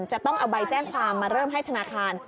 จะต้องเอาใบแจ้งความมาเริ่มให้ธนาคาร